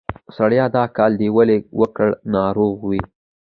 سړیه! دا کار دې ولې وکړ؟ ناروغ وې؟